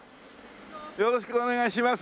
よろしくお願いします。